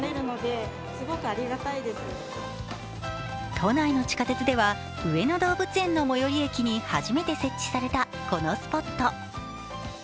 都内の地下鉄では上野動物園の最寄り駅に初めて設置されたこのスポット。